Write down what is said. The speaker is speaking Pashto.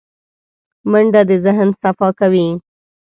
منډه د ذهن صفا کوي